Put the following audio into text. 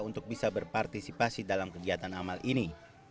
untuk bisa berpartisipasi dalam kegiatan amal ini